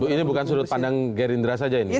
ini bukan sudut pandang gerindra saja ini